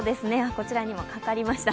こちらにもかかりました。